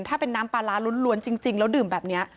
ถ้าเป็นน้ำปลาร้าล้วนจริงแล้วดื่มแบบนี้